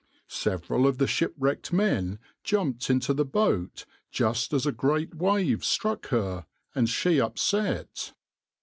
Several of the shipwrecked men jumped into the boat just as a great wave struck her, and she upset.